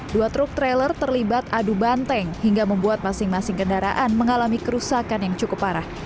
dua truk trailer terlibat adu banteng hingga membuat masing masing kendaraan mengalami kerusakan yang cukup parah